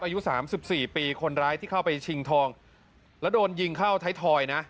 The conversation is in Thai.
อายุสามสิบสี่ปีคนร้ายที่เข้าไปชิงทองแล้วโดนยิงเข้าไทยทอยนะ